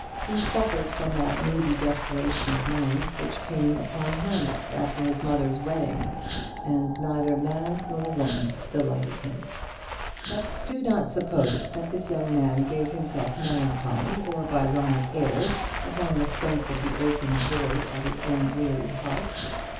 He suffered from that moody desperation of mind which came upon Hamlet after his mother's wedding, and neither man nor woman delighted him. But do not suppose that this young man gave himself melancholy or Byronic airs upon the strength of the aching void at his own weary heart.